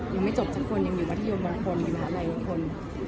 ยังไม่จบจากคนยังอยู่วัฒนิยมบนคนอยู่หาลัยคน